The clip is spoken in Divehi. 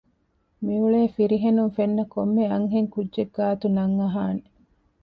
މިއުޅޭ ފިރިހެނުން ފެންނަ ކޮންމެ އަންހެން ކުއްޖެއް ގާތު ނަން އަހާނެ